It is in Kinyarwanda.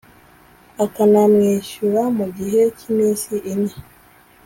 akanamwishyura mu gihe cy iminsi ine